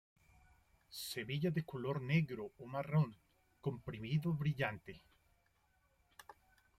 Semillas de color negro o marrón, comprimido, brillante.